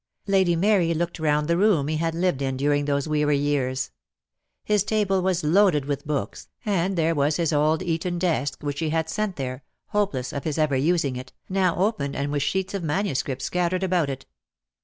Lady Mary looked round the room he had lived in during those weary years. His table was loaded with books, and there was his old Eton desk which she had sent there, hopeless of his ever using it, now open and with sheets of manuscript scattered about it.